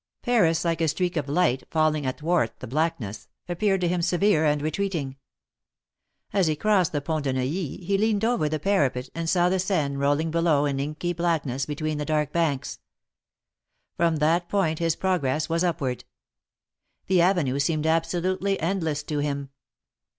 Paris, like a streak of light falling athwart the blackness, appeared to him severe and retreating. As he crossed the Pont de Neuilly, he leaned over the parapet and saw the Seine rolling below in inky blackness between the dark banks. From that point his progress was upward. The avenue seemed absolutely endless to him.